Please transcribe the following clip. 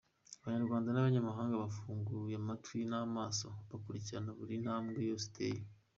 Abanyarwanda n’abanyahanga bafunguye amatwi n’amaso, bakurikirana buri ntambwe yose ateye.